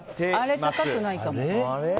あれ、高くないかも。